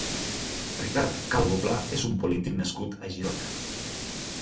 Ricard Calvo Pla és un polític nascut a Girona.